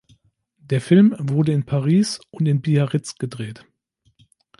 Der Film wurde in Paris und in Biarritz gedreht.